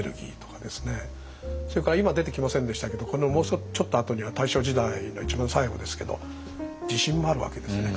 それから今出てきませんでしたけどこのもうちょっとあとには大正時代の一番最後ですけど地震もあるわけですね。